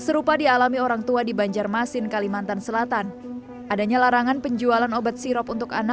semua anak ada obat sirop